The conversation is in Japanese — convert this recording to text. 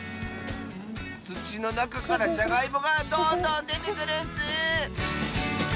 つちのなかからじゃがいもがどんどんでてくるッス！